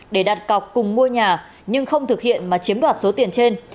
để đặt cọc cùng mua nhà nhưng không thực hiện mà chiếm đoạt số tiền trên